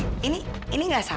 iya multimedia dokter